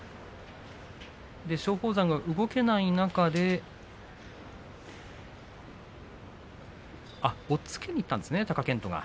松鳳山が動けない中で押っつけにいったんですね、貴健斗が。